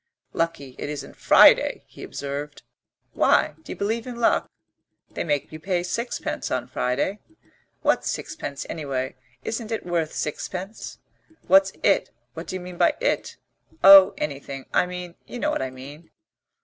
"Lucky it isn't Friday," he observed. "Why? D'you believe in luck?" "They make you pay sixpence on Friday." "What's sixpence anyway? Isn't it worth sixpence?" "What's 'it' what do you mean by 'it'?" "O, anything I mean you know what I mean."